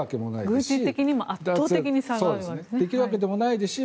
軍事的にも圧倒的に差があるわけですしね。